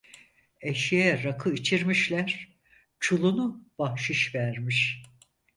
Eşeğe rakı içirmişler; çulunu bahşiş vermiş.